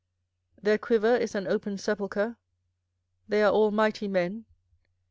24:005:016 Their quiver is as an open sepulchre, they are all mighty men.